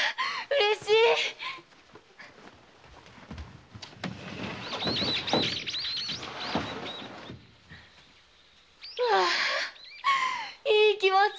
嬉しい‼わあいい気持ち。